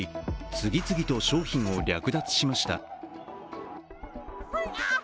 次々と商品を略奪しました。